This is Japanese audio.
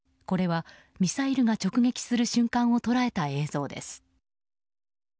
これは、ミサイルが直撃する瞬間を捉えた映像です。